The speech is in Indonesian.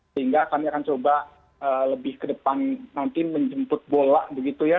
sehingga kami akan coba lebih ke depan nanti menjemput bola begitu ya